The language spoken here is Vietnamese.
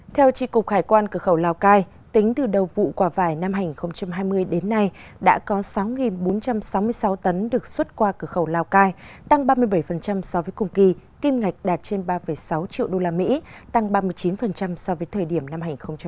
theo tri cục hải quan cửa khẩu lào cai tính từ đầu vụ quả vải năm hai nghìn hai mươi đến nay đã có sáu bốn trăm sáu mươi sáu tấn được xuất qua cửa khẩu lào cai tăng ba mươi bảy so với cùng kỳ kim ngạch đạt trên ba sáu triệu usd tăng ba mươi chín so với thời điểm năm hai nghìn một mươi chín